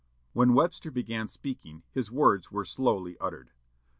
When Webster began speaking his words were slowly uttered.